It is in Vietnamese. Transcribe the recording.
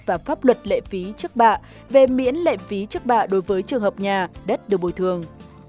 và pháp luật lệ phí trước bạ về miễn lệ phí trước bạ đối với trường hợp nhà đất được bồi thường